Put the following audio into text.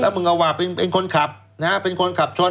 แล้วมึงเอาว่าเป็นคนขับเป็นคนขับชน